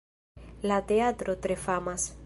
La teatro tre famas.